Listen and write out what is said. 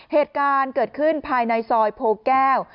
เหตุการณ์เกิดขึ้นภายในซอยโพแก้ว